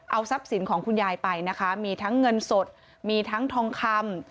เอาทรัพย์สินของคุณยายไปนะคะมีทั้งเงินสดมีทั้งทองคำ